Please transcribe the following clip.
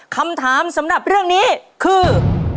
คำถามสำหรับเรื่องนี้คือ